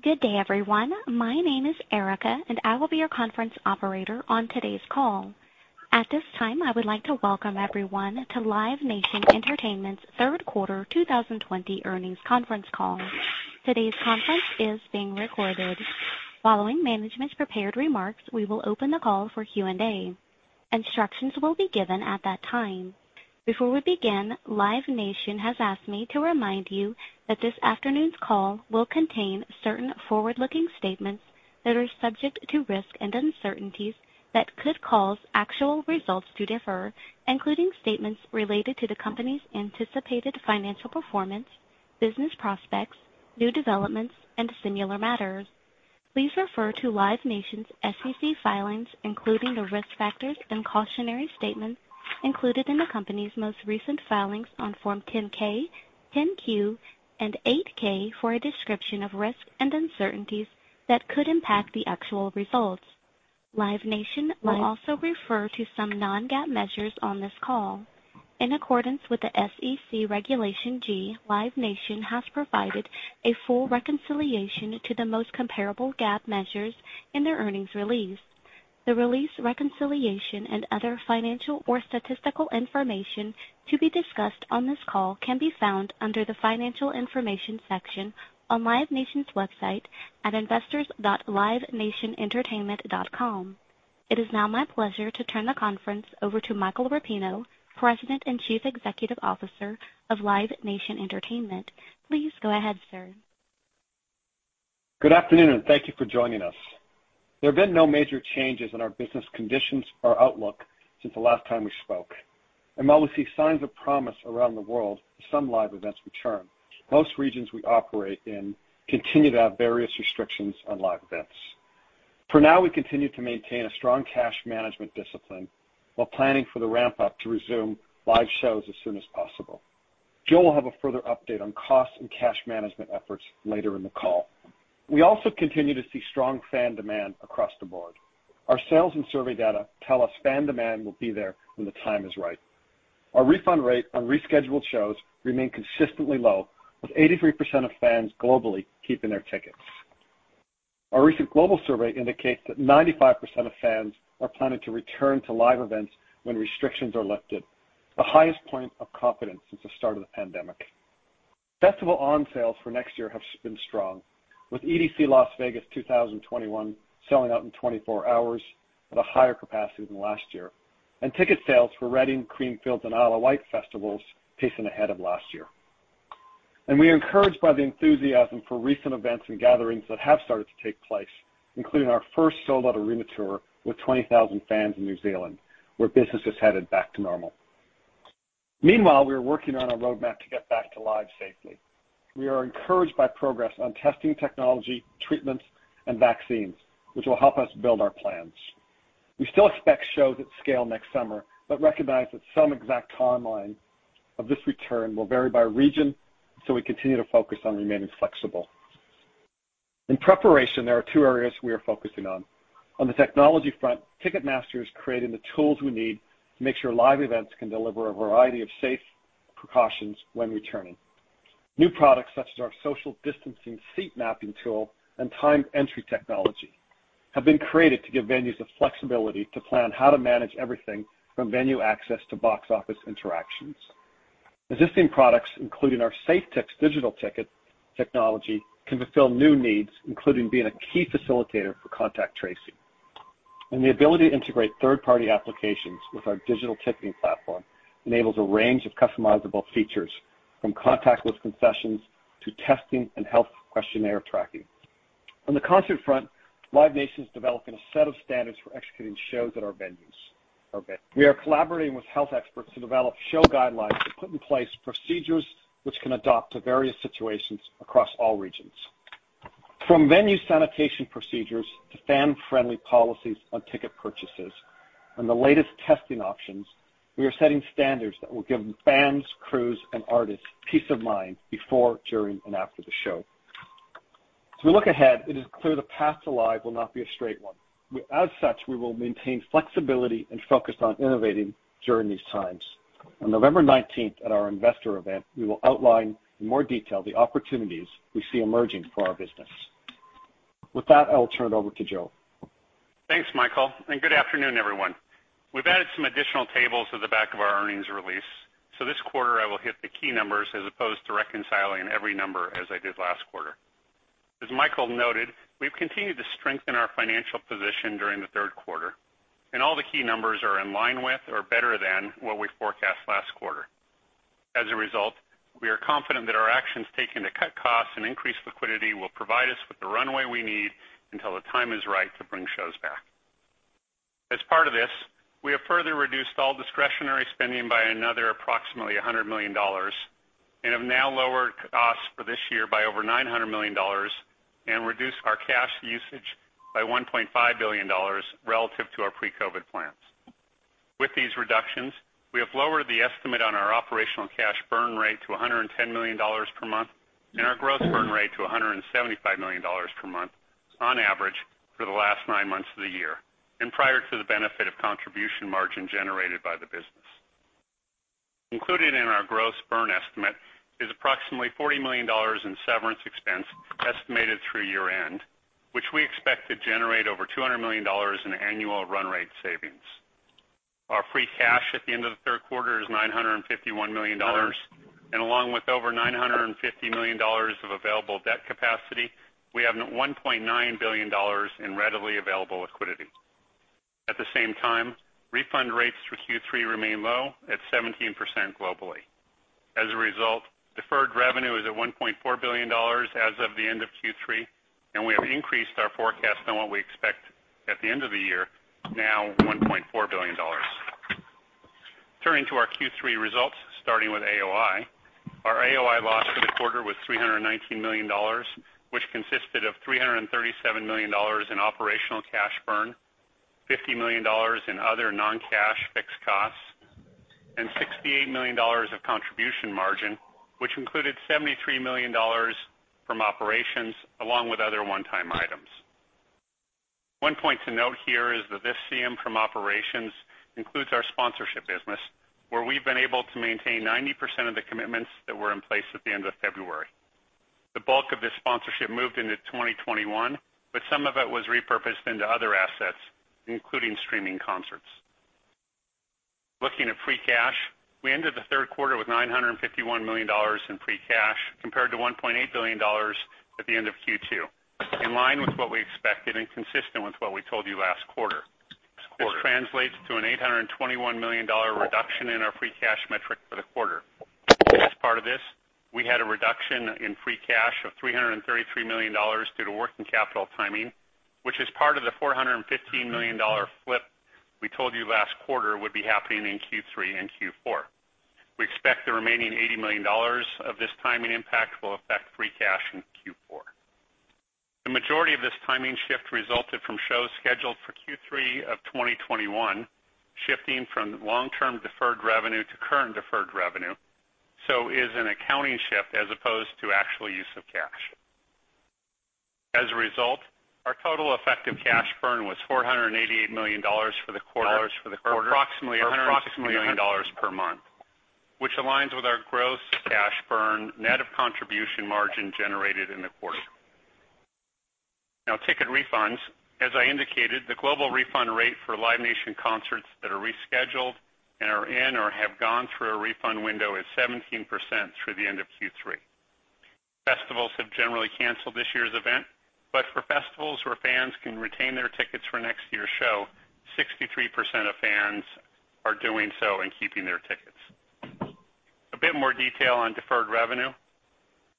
Good day, everyone. My name is Erica, and I will be your conference operator on today's call. At this time, I would like to welcome everyone to Live Nation Entertainment's third quarter 2020 earnings conference call. Today's conference is being recorded. Following management's prepared remarks, we will open the call for Q&A. Instructions will be given at that time. Before we begin, Live Nation has asked me to remind you that this afternoon's call will contain certain forward-looking statements that are subject to risks and uncertainties that could cause actual results to differ, including statements related to the company's anticipated financial performance, business prospects, new developments, and similar matters. Please refer to Live Nation's SEC filings, including the risk factors and cautionary statements included in the company's most recent filings on Form 10-K, 10-Q, and 8-K, for a description of risks and uncertainties that could impact the actual results. Live Nation will also refer to some non-GAAP measures on this call. In accordance with the SEC Regulation G, Live Nation has provided a full reconciliation to the most comparable GAAP measures in their earnings release. The release, reconciliation, and other financial or statistical information to be discussed on this call can be found under the Financial Information section on Live Nation's website at investors.livenationentertainment.com. It is now my pleasure to turn the conference over to Michael Rapino, President and Chief Executive Officer of Live Nation Entertainment. Please go ahead, sir. Good afternoon, and thank you for joining us. There have been no major changes in our business conditions or outlook since the last time we spoke. While we see signs of promise around the world as some live events return, most regions we operate in continue to have various restrictions on live events. For now, we continue to maintain a strong cash management discipline while planning for the ramp-up to resume live shows as soon as possible. Joe will have a further update on costs and cash management efforts later in the call. We also continue to see strong fan demand across the board. Our sales and survey data tell us fan demand will be there when the time is right. Our refund rate on rescheduled shows remain consistently low, with 83% of fans globally keeping their tickets. Our recent global survey indicates that 95% of fans are planning to return to live events when restrictions are lifted, the highest point of confidence since the start of the pandemic. Festival on sales for next year have been strong, with EDC Las Vegas 2021 selling out in 24 hours at a higher capacity than last year, and ticket sales for Reading, Creamfields, and Isle of Wight festivals pacing ahead of last year. We are encouraged by the enthusiasm for recent events and gatherings that have started to take place, including our first sold-out arena tour with 20,000 fans in New Zealand, where business is headed back to normal. Meanwhile, we are working on a roadmap to get back to live safely. We are encouraged by progress on testing technology, treatments, and vaccines, which will help us build our plans. We still expect shows at scale next summer, but recognize that some exact timeline of this return will vary by region, so we continue to focus on remaining flexible. In preparation, there are two areas we are focusing on. On the technology front, Ticketmaster is creating the tools we need to make sure live events can deliver a variety of safe precautions when returning. New products, such as our social distancing seat mapping tool and timed entry technology, have been created to give venues the flexibility to plan how to manage everything from venue access to box office interactions. Existing products, including our SafeTix digital ticketing technology, can fulfill new needs, including being a key facilitator for contact tracing. The ability to integrate third-party applications with our digital ticketing platform enables a range of customizable features, from contactless concessions to testing and health questionnaire tracking. On the concert front, Live Nation's developing a set of standards for executing shows at our venues. We are collaborating with health experts to develop show guidelines to put in place procedures which can adapt to various situations across all regions. From venue sanitation procedures to fan-friendly policies on ticket purchases and the latest testing options, we are setting standards that will give fans, crews, and artists peace of mind before, during, and after the show. As we look ahead, it is clear the path to live will not be a straight one. We will maintain flexibility and focus on innovating during these times. On November 19th at our investor event, we will outline in more detail the opportunities we see emerging for our business. With that, I will turn it over to Joe. Thanks, Michael, and good afternoon, everyone. We've added some additional tables to the back of our earnings release. This quarter, I will hit the key numbers as opposed to reconciling every number as I did last quarter. As Michael noted, we've continued to strengthen our financial position during the third quarter, and all the key numbers are in line with or better than what we forecast last quarter. As a result, we are confident that our actions taken to cut costs and increase liquidity will provide us with the runway we need until the time is right to bring shows back. As part of this, we have further reduced all discretionary spending by another approximately $100 million and have now lowered costs for this year by over $900 million and reduced our cash usage by $1.5 billion relative to our pre-COVID plans. With these reductions, we have lowered the estimate on our operational cash burn rate to $110 million per month and our gross burn rate to $175 million per month on average for the last nine months of the year and prior to the benefit of contribution margin generated by the business. Included in our gross burn estimate is approximately $40 million in severance expense estimated through year-end, which we expect to generate over $200 million in annual run rate savings. Our free cash at the end of the third quarter is $951 million, and along with over $950 million of available debt capacity, we have $1.9 billion in readily available liquidity. At the same time, refund rates for Q3 remain low at 17% globally. As a result, deferred revenue is at $1.4 billion as of the end of Q3, and we have increased our forecast on what we expect at the end of the year, now $1.4 billion. Turning to our Q3 results, starting with AOI. Our AOI loss for the quarter was $319 million, which consisted of $337 million in operational cash burn, $50 million in other non-cash fixed costs, and $68 million of contribution margin, which included $73 million from operations along with other one-time items. One point to note here is that this CM from operations includes our sponsorship business, where we've been able to maintain 90% of the commitments that were in place at the end of February. The bulk of this sponsorship moved into 2021, but some of it was repurposed into other assets, including streaming concerts. Looking at free cash, we ended the third quarter with $951 million in free cash, compared to $1.8 billion at the end of Q2, in line with what we expected and consistent with what we told you last quarter. This translates to an $821 million reduction in our free cash metric for the quarter. As part of this, we had a reduction in free cash of $333 million due to working capital timing, which is part of the $415 million flip we told you last quarter would be happening in Q3 and Q4. We expect the remaining $80 million of this timing impact will affect free cash in Q4. The majority of this timing shift resulted from shows scheduled for Q3 of 2021, shifting from long-term deferred revenue to current deferred revenue, so is an accounting shift as opposed to actual use of cash. As a result, our total effective cash burn was $488 million for the quarter or approximately $110 million per month, which aligns with our gross cash burn net of contribution margin generated in the quarter. Ticket refunds. As I indicated, the global refund rate for Live Nation concerts that are rescheduled and are in or have gone through a refund window is 17% through the end of Q3. Festivals have generally canceled this year's event, but for festivals where fans can retain their tickets for next year's show, 63% of fans are doing so and keeping their tickets. A bit more detail on deferred revenue,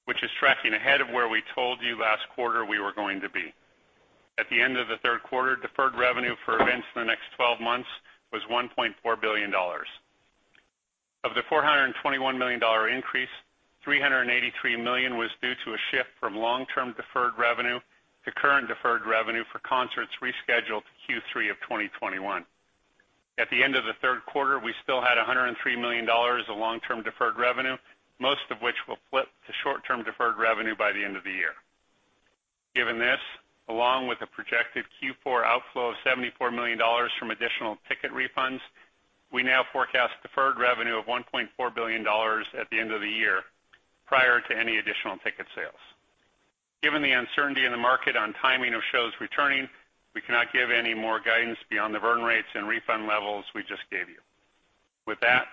which is tracking ahead of where we told you last quarter we were going to be. At the end of the third quarter, deferred revenue for events in the next 12 months was $1.4 billion. Of the $421 million increase, $383 million was due to a shift from long-term deferred revenue to current deferred revenue for concerts rescheduled to Q3 2021. At the end of the third quarter, we still had $103 million of long-term deferred revenue, most of which will flip to short-term deferred revenue by the end of the year. Given this, along with the projected Q4 outflow of $74 million from additional ticket refunds, we now forecast deferred revenue of $1.4 billion at the end of the year, prior to any additional ticket sales. Given the uncertainty in the market on timing of shows returning, we cannot give any more guidance beyond the burn rates and refund levels we just gave you. With that,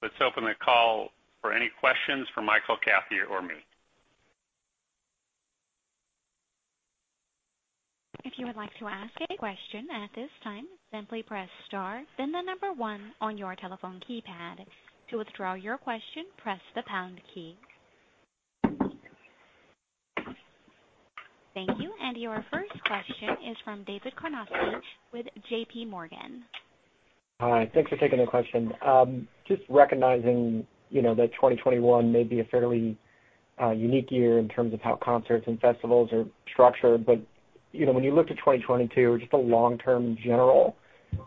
let's open the call for any questions for Michael, Kathy, or me. If you would like to ask a question at this time, simply press star, then the number one on your telephone keypad. To withdraw your question, press the pound key. Thank you. Your first question is from David Karnovsky with JPMorgan. Hi. Thanks for taking the question. Just recognizing that 2021 may be a fairly unique year in terms of how concerts and festivals are structured, when you look to 2022 or just the long term in general,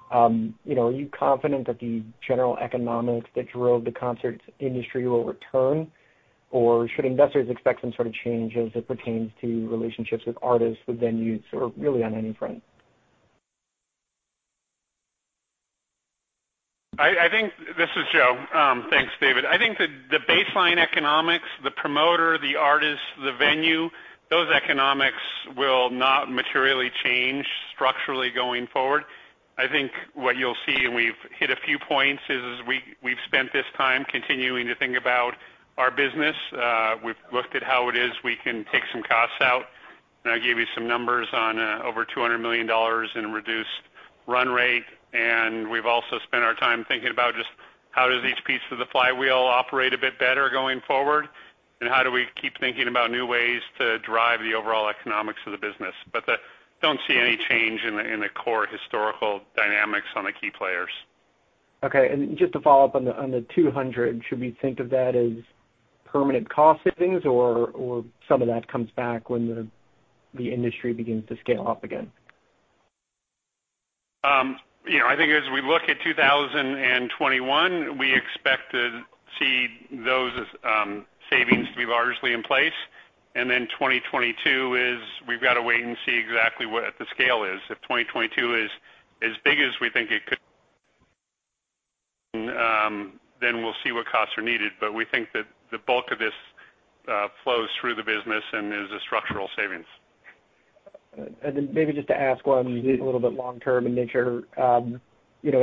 are you confident that the general economics that drove the concerts industry will return? Should investors expect some sort of change as it pertains to relationships with artists, with venues, or really on any front? This is Joe. Thanks, David. I think that the baseline economics, the promoter, the artist, the venue, those economics will not materially change structurally going forward. I think what you'll see, we've hit a few points, is we've spent this time continuing to think about our business. We've looked at how it is we can take some costs out, I gave you some numbers on over $200 million in reduced run rate. We've also spent our time thinking about just how does each piece of the flywheel operate a bit better going forward, and how do we keep thinking about new ways to drive the overall economics of the business, but don't see any change in the core historical dynamics on the key players. Okay. Just to follow up on the $200 million, should we think of that as permanent cost savings or some of that comes back when the industry begins to scale up again? I think as we look at 2021, we expect to see those savings to be largely in place. Then 2022 is we've got to wait and see exactly what the scale is. If 2022 is as big as we think it could, then we'll see what costs are needed. We think that the bulk of this flows through the business and is a structural savings. Maybe just to ask one a little bit long-term in nature. An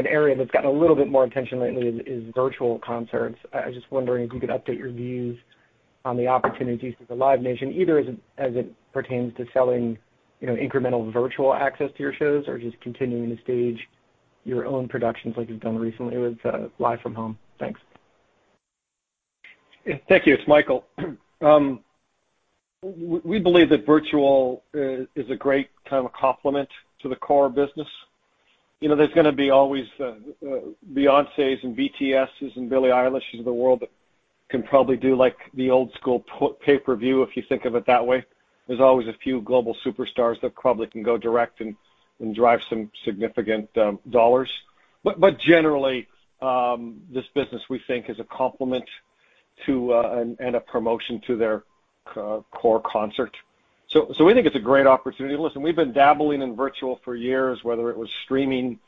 area that's gotten a little bit more attention lately is virtual concerts. I was just wondering if you could update your views on the opportunities for Live Nation, either as it pertains to selling incremental virtual access to your shows or just continuing to stage your own productions like you've done recently with Live From Home. Thanks. Thank you. It's Michael. We believe that virtual is a great kind of a complement to the core business. There's going to be always Beyoncés and BTSes and Billie Eilishes of the world that can probably do the old school pay-per-view, if you think of it that way. There's always a few global superstars that probably can go direct and drive some significant dollars. Generally, this business, we think, is a complement to and a promotion to their core concert. We think it's a great opportunity. Listen, we've been dabbling in virtual for years, whether it was streaming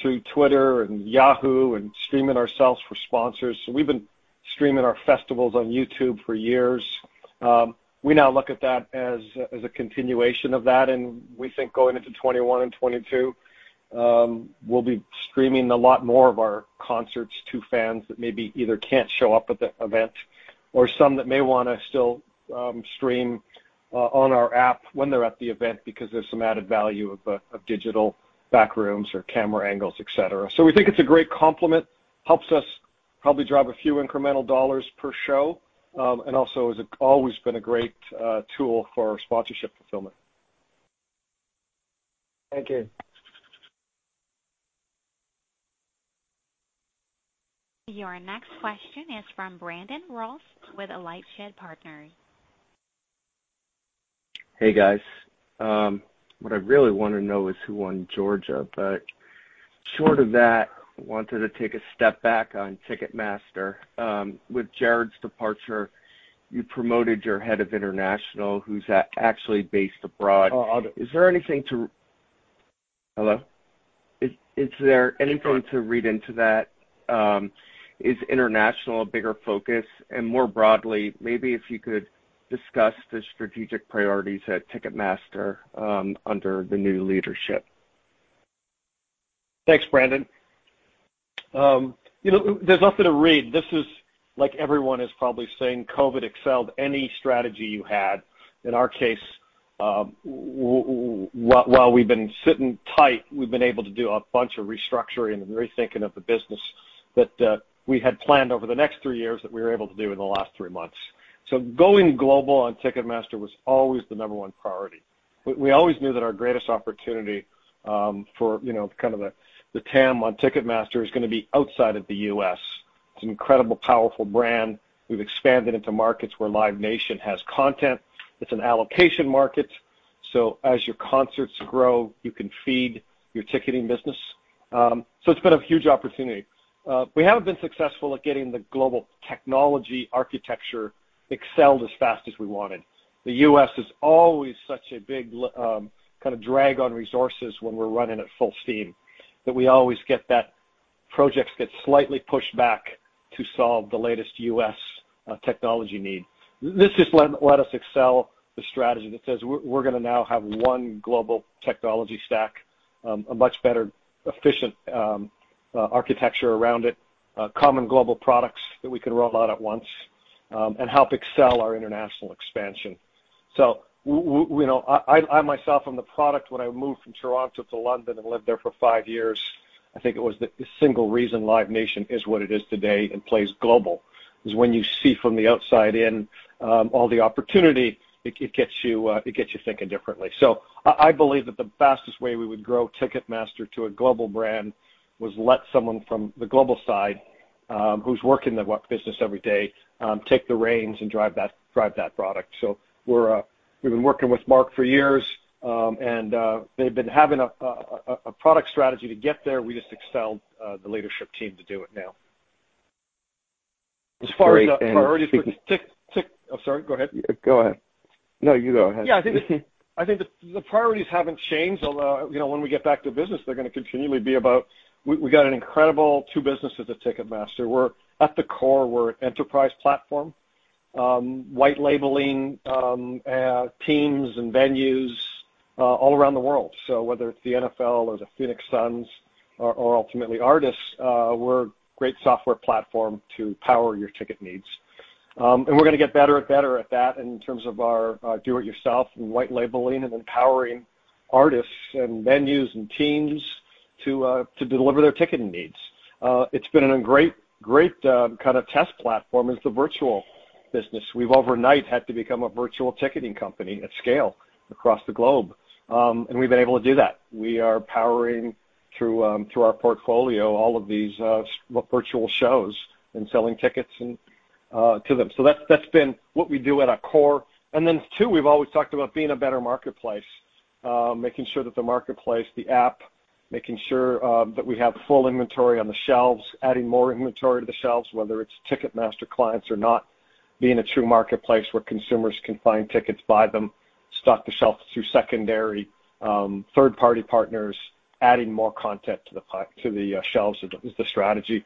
through Twitter and Yahoo and streaming ourselves for sponsors. We've been streaming our festivals on YouTube for years. We now look at that as a continuation of that. We think going into 2021 and 2022, we'll be streaming a lot more of our concerts to fans that maybe either can't show up at the event or some that may want to still stream on our app when they're at the event because there's some added value of digital back rooms or camera angles, et cetera. We think it's a great complement, helps us probably drive a few incremental dollars per show, and also has always been a great tool for sponsorship fulfillment. Thank you. Your next question is from Brandon Ross with LightShed Partners. Hey, guys. What I really want to know is who won Georgia. Short of that, I wanted to take a step back on Ticketmaster. With Jared's departure, you promoted your Head of International, who's actually based abroad. I'll- Hello? Is there anything to read into that? Is international a bigger focus? More broadly, maybe if you could discuss the strategic priorities at Ticketmaster under the new leadership. Thanks, Brandon. There's nothing to read. This is like everyone is probably saying, COVID accelerated any strategy you had. In our case, while we've been sitting tight, we've been able to do a bunch of restructuring and rethinking of the business that we had planned over the next three years that we were able to do in the last three months. Going global on Ticketmaster was always the number one priority. We always knew that our greatest opportunity for kind of the TAM on Ticketmaster is going to be outside of the U.S. It's an incredible, powerful brand. We've expanded into markets where Live Nation has content. It's an allocation market, as your concerts grow, you can feed your ticketing business. It's been a huge opportunity. We haven't been successful at getting the global technology architecture accelerated as fast as we wanted. The U.S. is always such a big kind of drag on resources when we're running at full steam that we always get that projects get slightly pushed back to solve the latest U.S. technology need. This has let us excel the strategy that says we're going to now have one global technology stack, a much better efficient architecture around it, common global products that we can roll out at once, and help excel our international expansion. I myself am the product when I moved from Toronto to London and lived there for five years. I think it was the single reason Live Nation is what it is today and plays global, because when you see from the outside in all the opportunity, it gets you thinking differently. I believe that the fastest way we would grow Ticketmaster to a global brand was let someone from the global side, who's working the business every day, take the reins and drive that product. We've been working with Mark for years, and they've been having a product strategy to get there. We just excelled the leadership team to do it now. As far as the priorities for, I'm sorry, go ahead. Go ahead. No, you go ahead. Yeah, I think the priorities haven't changed, although, when we get back to business, they're going to continually be about we got an incredible two businesses at Ticketmaster. At the core, we're an enterprise platform, white labeling teams and venues all around the world. Whether it's the NFL or the Phoenix Suns or ultimately artists, we're a great software platform to power your ticket needs. We're going to get better and better at that in terms of our do-it-yourself and white labeling and empowering artists and venues and teams to deliver their ticketing needs. It's been a great kind of test platform is the virtual business. We've overnight had to become a virtual ticketing company at scale across the globe. We've been able to do that. We are powering through our portfolio, all of these virtual shows and selling tickets to them. That's been what we do at our core. Two, we've always talked about being a better marketplace. Making sure that the marketplace, the app, making sure that we have full inventory on the shelves, adding more inventory to the shelves, whether it's Ticketmaster clients or not, being a true marketplace where consumers can find tickets, buy them, stock the shelves through secondary third-party partners, adding more content to the shelves is the strategy.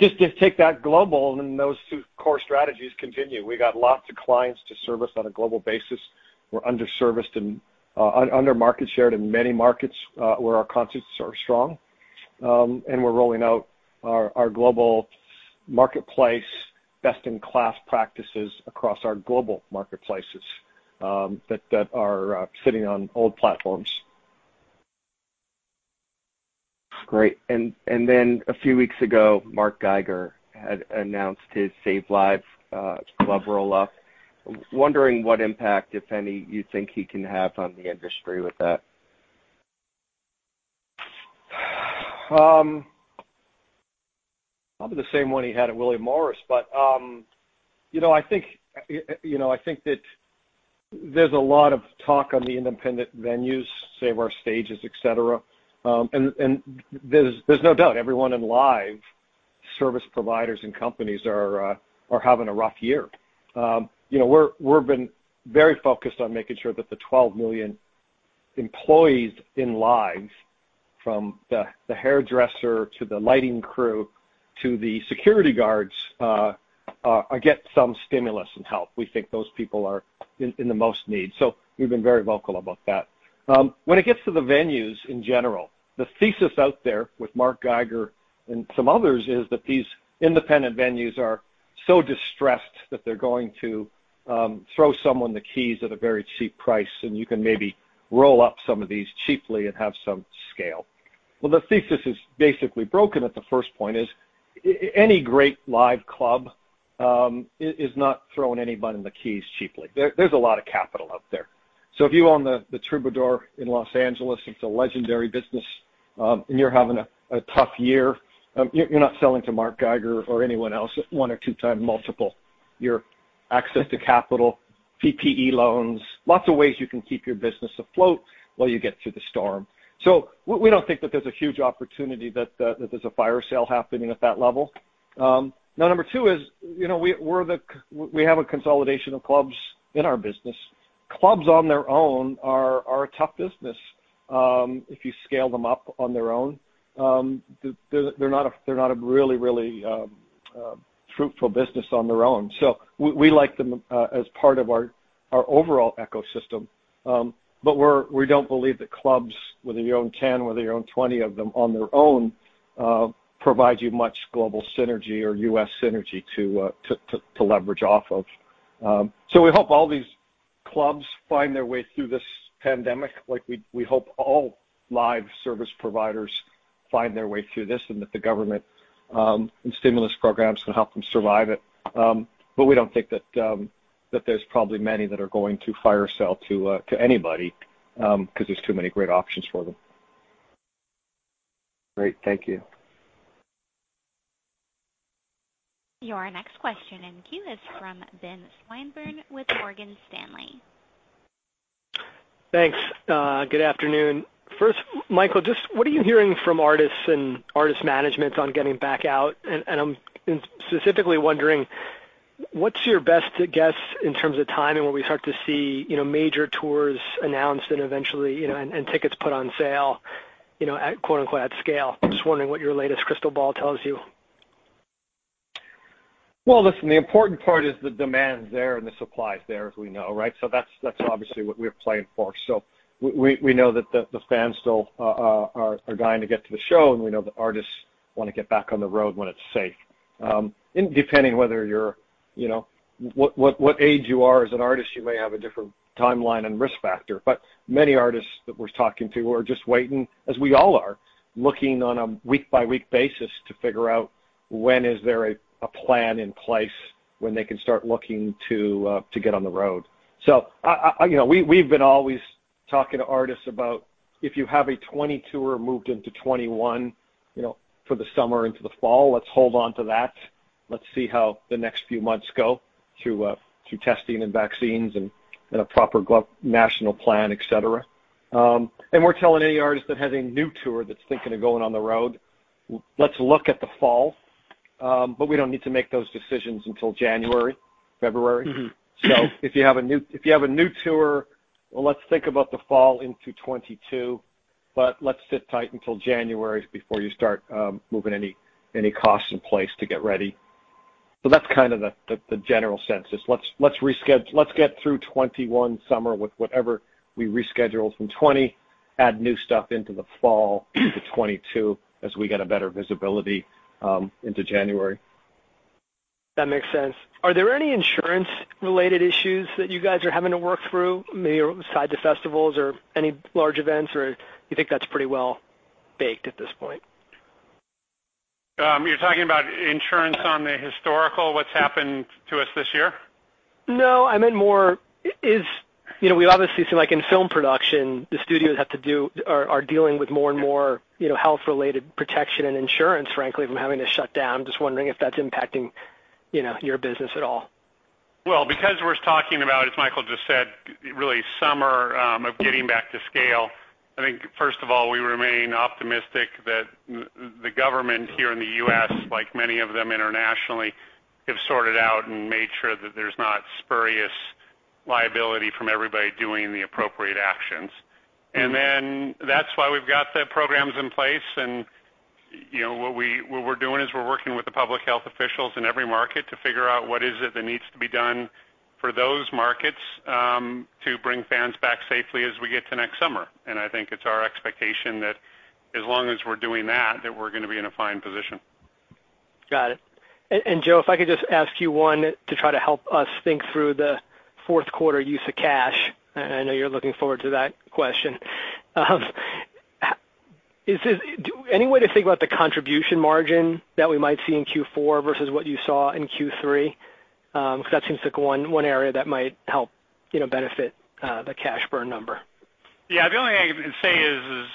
Just take that global, and those two core strategies continue. We got lots of clients to service on a global basis. We're under market share in many markets where our concerts are strong. We're rolling out our global marketplace best-in-class practices across our global marketplaces that are sitting on old platforms. Great. A few weeks ago, Marc Geiger had announced his SaveLive club roll-up. Wondering what impact, if any, you think he can have on the industry with that. Probably the same one he had at William Morris. I think that there's a lot of talk on the independent venues, Save Our Stages, et cetera. There's no doubt everyone in live service providers and companies are having a rough year. We've been very focused on making sure that the 12 million employees in live, from the hairdresser to the lighting crew to the security guards, get some stimulus and help. We think those people are in the most need. We've been very vocal about that. When it gets to the venues in general, the thesis out there with Marc Geiger and some others is that these independent venues are so distressed that they're going to throw someone the keys at a very cheap price, and you can maybe roll up some of these cheaply and have some scale. The thesis is basically broken at the first point is, any great live club is not throwing anybody the keys cheaply. There's a lot of capital out there. If you own The Troubadour in Los Angeles, it's a legendary business, and you're having a tough year, you're not selling to Marc Geiger or anyone else at 1x or 2x multiple. Your access to capital, PPP loans, lots of ways you can keep your business afloat while you get through the storm. We don't think that there's a huge opportunity that there's a fire sale happening at that level. Now, number two is we have a consolidation of clubs in our business. Clubs on their own are a tough business. If you scale them up on their own, they're not a really fruitful business on their own. We like them as part of our overall ecosystem. We don't believe that clubs, whether you own 10, whether you own 20 of them on their own, provide you much global synergy or U.S. synergy to leverage off of. We hope all these clubs find their way through this pandemic, like we hope all live service providers find their way through this, and that the government and stimulus programs can help them survive it. We don't think that there's probably many that are going to fire sale to anybody, because there's too many great options for them. Great. Thank you. Your next question in queue is from Ben Swinburne with Morgan Stanley. Thanks. Good afternoon. First, Michael, just what are you hearing from artists and artist managements on getting back out? I'm specifically wondering, what's your best guess in terms of timing when we start to see major tours announced and eventually tickets put on sale at quote-unquote, "at scale"? Just wondering what your latest crystal ball tells you. Well, listen, the important part is the demand's there and the supply is there as we know, right? That's obviously what we're playing for. We know that the fans still are dying to get to the show, and we know the artists want to get back on the road when it's safe. Depending whether what age you are as an artist, you may have a different timeline and risk factor. Many artists that we're talking to are just waiting, as we all are, looking on a week-by-week basis to figure out when is there a plan in place when they can start looking to get on the road. We've been always talking to artists about if you have a 2022 or moved into 2021 for the summer into the fall, let's hold onto that. Let's see how the next few months go through testing and vaccines and a proper national plan, et cetera. We're telling any artist that has a new tour that's thinking of going on the road, let's look at the fall. We don't need to make those decisions until January, February. If you have a new tour, well, let's think about the fall into 2022, but let's sit tight until January before you start moving any costs in place to get ready. That's kind of the general consensus. Let's get through 2021 summer with whatever we rescheduled from 2020, add new stuff into the fall to 2022 as we get a better visibility into January. That makes sense. Are there any insurance-related issues that you guys are having to work through maybe beside the festivals or any large events, or you think that's pretty well baked at this point? You're talking about insurance on the historical what's happened to us this year? No, I meant more. We obviously see like in film production, the studios are dealing with more and more health-related protection and insurance, frankly, from having to shut down. Just wondering if that's impacting your business at all. Well, because we're talking about, as Michael just said, really summer of getting back to scale, I think first of all, we remain optimistic that the government here in the U.S., like many of them internationally, have sorted out and made sure that there's not spurious liability from everybody doing the appropriate actions. That's why we've got the programs in place. What we're doing is we're working with the public health officials in every market to figure out what is it that needs to be done for those markets, to bring fans back safely as we get to next summer. I think it's our expectation that as long as we're doing that we're going to be in a fine position. Got it. Joe, if I could just ask you one to try to help us think through the fourth quarter use of cash. I know you're looking forward to that question. Any way to think about the contribution margin that we might see in Q4 versus what you saw in Q3? That seems like one area that might help benefit the cash burn number. Yeah. The only thing I can say is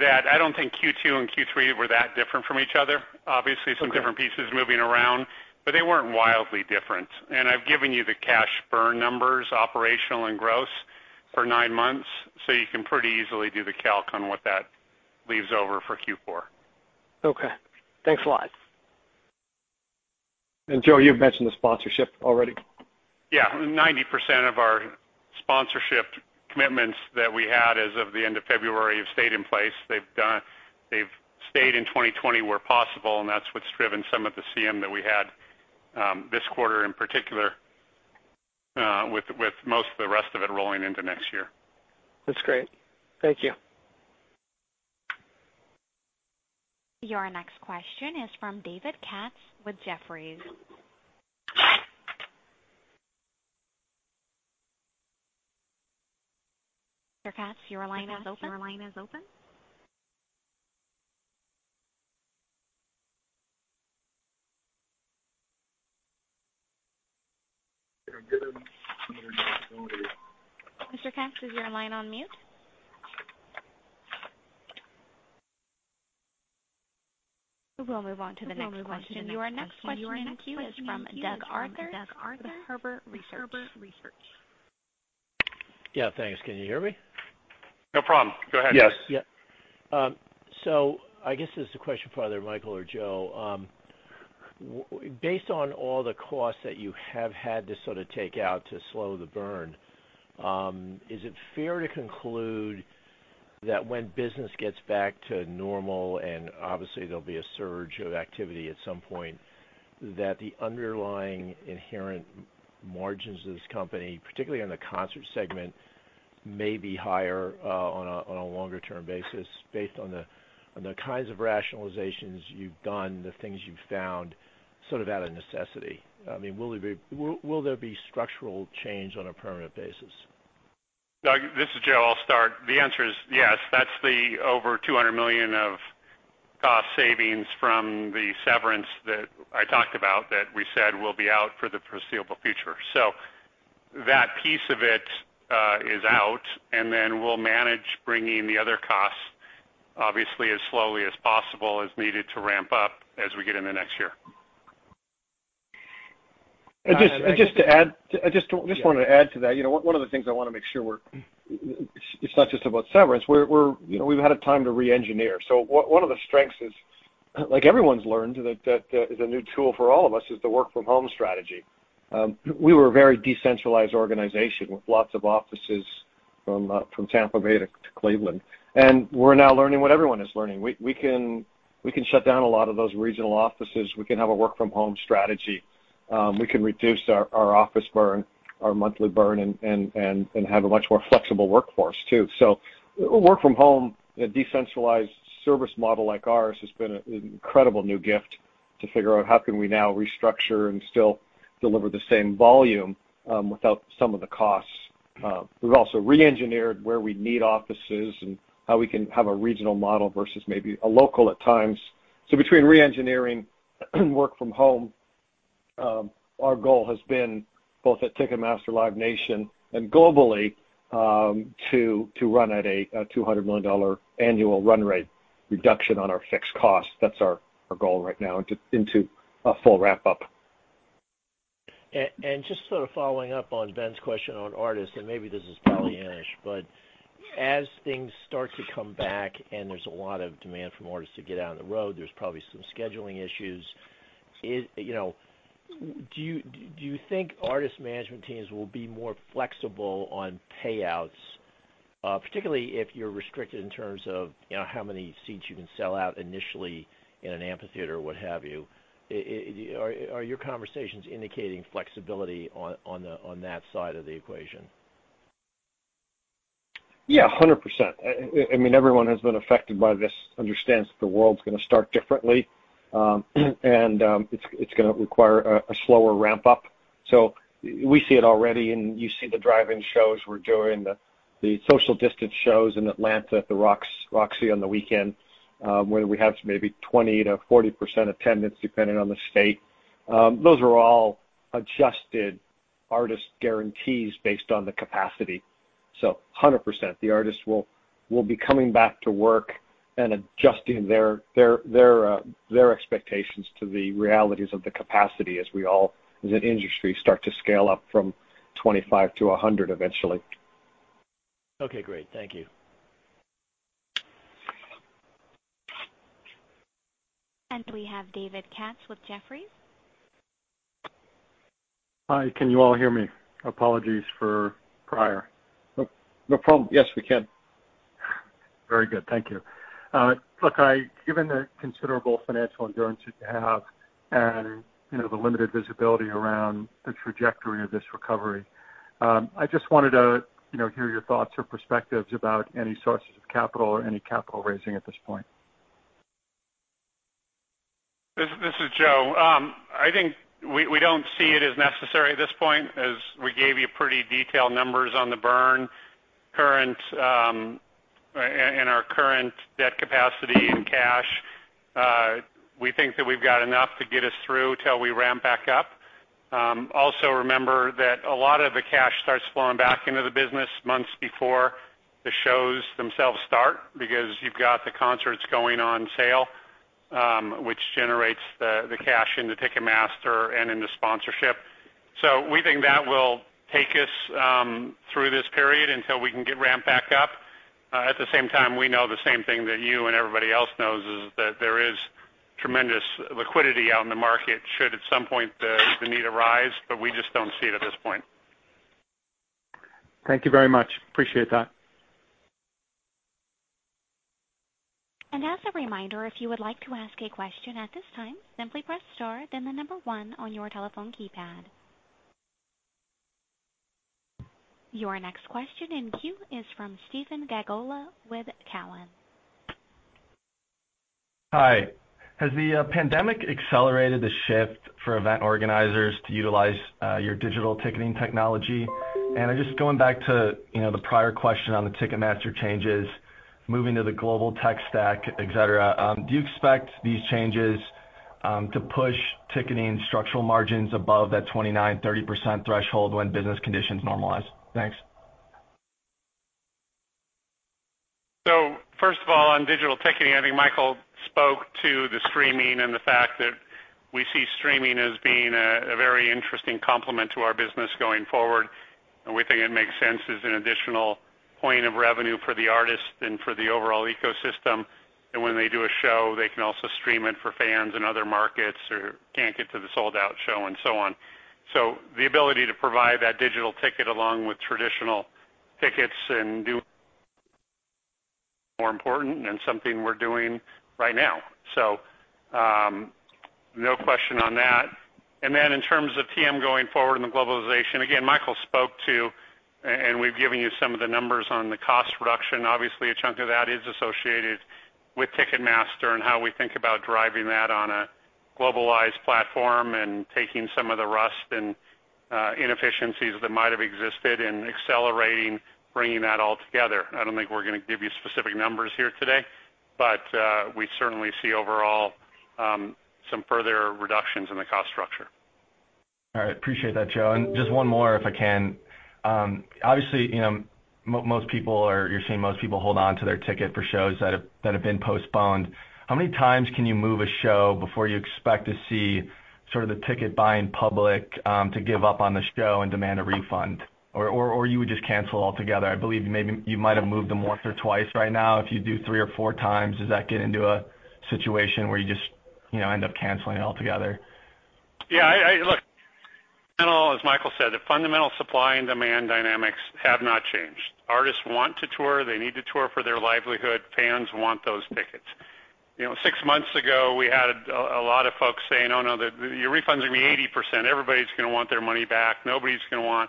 that I don't think Q2 and Q3 were that different from each other. Obviously some different pieces moving around, but they weren't wildly different. I've given you the cash burn numbers, operational and gross for nine months. You can pretty easily do the calc on what that leaves over for Q4. Okay. Thanks a lot. Joe, you've mentioned the sponsorship already. Yeah. 90% of our sponsorship commitments that we had as of the end of February have stayed in place. They've stayed in 2020 where possible, and that's what's driven some of the CM that we had, this quarter in particular, with most of the rest of it rolling into next year. That's great. Thank you. Your next question is from David Katz with Jefferies. Mr. Katz, your line is open. Mr. Katz, is your line on mute? We will move on to the next question. Your next question is from Doug Arthur with Huber Research. Yeah, thanks. Can you hear me? No problem. Go ahead. Yes. I guess this is a question for either Michael or Joe. Based on all the costs that you have had to sort of take out to slow the burn, is it fair to conclude that when business gets back to normal, and obviously there'll be a surge of activity at some point, that the underlying inherent margins of this company, particularly in the concert segment, may be higher, on a longer term basis based on the kinds of rationalizations you've done, the things you've found sort of out of necessity? Will there be structural change on a permanent basis? Doug, this is Joe. I'll start. The answer is yes. That's the over $200 million of cost savings from the severance that I talked about, that we said will be out for the foreseeable future. That piece of it, is out and then we'll manage bringing the other costs, obviously, as slowly as possible, as needed to ramp up as we get into next year. Just to add to that, one of the things I want to make sure, it's not just about severance. We've had a time to re-engineer. One of the strengths is, like everyone's learned, that is a new tool for all of us, is the work from home strategy. We were a very decentralized organization with lots of offices from Tampa Bay to Cleveland, and we're now learning what everyone is learning. We can shut down a lot of those regional offices. We can have a work-from-home strategy. We can reduce our office burn, our monthly burn, and have a much more flexible workforce, too. Work from home, a decentralized service model like ours, has been an incredible new gift to figure out how can we now restructure and still deliver the same volume, without some of the costs. We've also re-engineered where we need offices and how we can have a regional model versus maybe a local at times. Between re-engineering work from home, our goal has been both at Ticketmaster, Live Nation, and globally, to run at a $200 million annual run rate reduction on our fixed costs. That's our goal right now into a full wrap up. Just sort of following up on Ben's question on artists, maybe this is probably addressed, but as things start to come back and there's a lot of demand from artists to get out on the road, there's probably some scheduling issues. Do you think artist management teams will be more flexible on payouts, particularly if you're restricted in terms of how many seats you can sell out initially in an amphitheater, or what have you? Are your conversations indicating flexibility on that side of the equation? Yeah, 100%. Everyone has been affected by this, understands that the world's going to start differently, and it's going to require a slower ramp up. We see it already, and you see the drive-in shows we're doing, the social distance shows in Atlanta at the Roxy on the weekend, where we have maybe 20%-40% attendance, depending on the state. Those are all adjusted artist guarantees based on the capacity. 100%, the artists will be coming back to work and adjusting their expectations to the realities of the capacity as we all, as an industry, start to scale up from 25% to 100% eventually. Okay, great. Thank you. We have David Katz with Jefferies. Hi, can you all hear me? Apologies for prior. No problem. Yes, we can. Very good. Thank you. Look, given the considerable financial endurance that you have and the limited visibility around the trajectory of this recovery, I just wanted to hear your thoughts or perspectives about any sources of capital or any capital raising at this point. This is Joe. I think we don't see it as necessary at this point, as we gave you pretty detailed numbers on the burn and our current debt capacity in cash. We think that we've got enough to get us through till we ramp back up. Remember that a lot of the cash starts flowing back into the business months before the shows themselves start because you've got the concerts going on sale, which generates the cash into Ticketmaster and into sponsorship. We think that will take us through this period until we can get ramped back up. At the same time, we know the same thing that you and everybody else knows, is that there is tremendous liquidity out in the market should at some point the need arise, we just don't see it at this point. Thank you very much. Appreciate that. As a reminder, if you would like to ask a question at this time, simply press star, then the number one on your telephone keypad. Your next question in queue is from Stephen Glagola with Cowen. Hi. Has the pandemic accelerated the shift for event organizers to utilize your digital ticketing technology? Just going back to the prior question on the Ticketmaster changes, moving to the global tech stack, et cetera, do you expect these changes to push ticketing structural margins above that 29%-30% threshold when business conditions normalize? Thanks. First of all, on digital ticketing, I think Michael spoke to the streaming and the fact that we see streaming as being a very interesting complement to our business going forward. We think it makes sense as an additional point of revenue for the artist and for the overall ecosystem. When they do a show, they can also stream it for fans in other markets who can't get to the sold-out show and so on. The ability to provide that digital ticket along with traditional tickets and do more important, and something we're doing right now. No question on that. In terms of TM going forward and the globalization, again, Michael spoke to, and we've given you some of the numbers on the cost reduction. Obviously, a chunk of that is associated with Ticketmaster and how we think about driving that on a globalized platform and taking some of the rust and inefficiencies that might have existed and accelerating, bringing that all together. I don't think we're going to give you specific numbers here today, but we certainly see overall some further reductions in the cost structure. All right. Appreciate that, Joe. Just one more, if I can. Obviously, you're seeing most people hold on to their ticket for shows that have been postponed. How many times can you move a show before you expect to see the ticket-buying public to give up on the show and demand a refund? You would just cancel altogether? I believe maybe you might have moved them once or twice right now. If you do 3x or 4x, does that get into a situation where you just end up canceling altogether? Yeah, look, as Michael said, the fundamental supply and demand dynamics have not changed. Artists want to tour. They need to tour for their livelihood. Fans want those tickets. Six months ago, we had a lot of folks saying, "Oh, no, you're refunding me 80%. Everybody's going to want their money back. Nobody's going to want"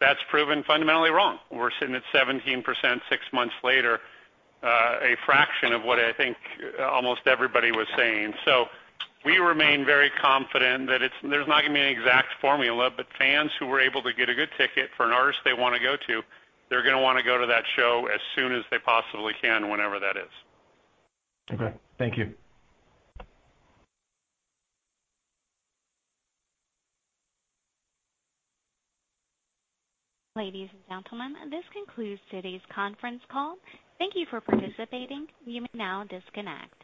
That's proven fundamentally wrong. We're sitting at 17%, six months later, a fraction of what I think almost everybody was saying. We remain very confident that there's not going to be an exact formula, but fans who were able to get a good ticket for an artist they want to go to, they're going to want to go to that show as soon as they possibly can, whenever that is. Okay. Thank you. Ladies and gentlemen, this concludes today's conference call. Thank you for participating. You may now disconnect.